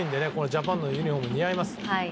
ジャパンのユニホームも似合います。